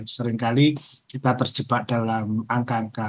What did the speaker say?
seringkali kita terjebak dalam angka angka